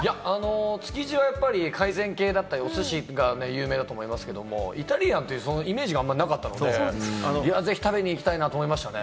築地はやっぱり海鮮だったり、おすしが有名だと思いますけれども、イタリアンってイメージがあまりなかったんで、ぜひ食べに行きたいなと思いましたね。